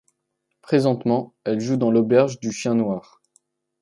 Présentement, elle joue dans l'Auberge du chien noir.